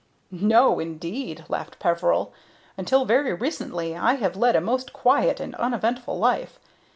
"No, indeed," laughed Peveril; "until very recently I have led a most quiet and uneventful life.